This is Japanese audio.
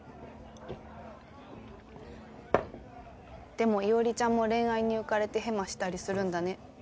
でも伊織ちゃんも恋愛に浮かれてヘマしたりするんだね。